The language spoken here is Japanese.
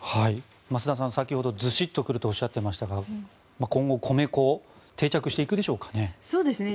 増田さん、先ほどズシッと来るとおっしゃってましたが今後、米粉定着していくでしょうかね。